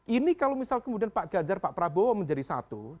ini kalau misal kemudian pak ganjar pak prabowo menjadi satu